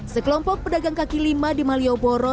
sekelompok pedagang kaki lima di malioboro